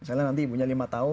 misalnya ibunya lima tahun